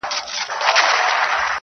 شالمار به په زلمیو هوسېږي-